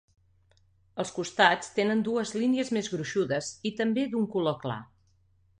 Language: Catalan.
Als costats tenen dues línies més gruixudes i també d'un color clar.